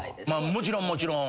もちろんもちろん。